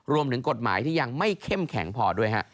รวมถึงกฎหมายที่ยังไม่เข้มแข็งพอด้วยฮะ